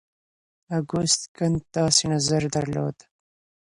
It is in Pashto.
اګوست کنت داسې نظر درلود.